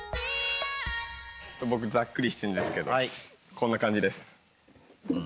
僕ざっくりしてるんですけどこんな感じです。